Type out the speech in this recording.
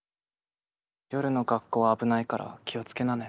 夜の学校は危ないから気をつけなね。